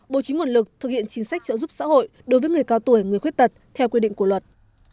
bộ chính nguồn lực thực hiện chính sách trợ giúp xã hội đối với người cao tuổi người khuyết tật theo quy định của luật